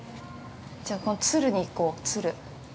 ◆じゃあこの鶴に行こう、鶴。